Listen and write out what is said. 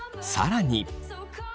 更に。